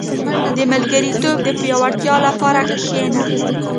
• د ملګرتوب د پياوړتیا لپاره کښېنه.